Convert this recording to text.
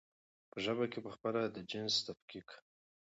په ژبه کې پخپله د جنس تفکيک